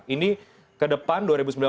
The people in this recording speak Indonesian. ini ke depan dua ribu sembilan belas